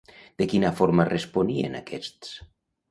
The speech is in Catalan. De quina forma responien aquests?